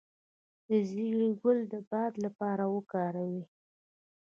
د زیرې ګل د باد لپاره وکاروئ